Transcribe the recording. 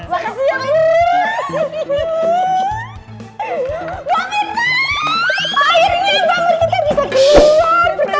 makasih ya bu